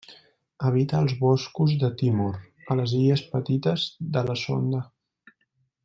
Habita els boscos de Timor, a les Illes Petites de la Sonda.